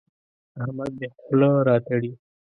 احمد مې خوله راتړي.